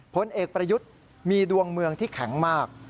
ผลเอกประยุทธ์มีดวงเมืองที่แข็งมาก